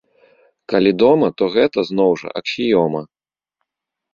Калі дома, то гэта, зноў жа, аксіёма.